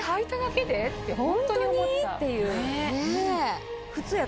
ホントに？っていう。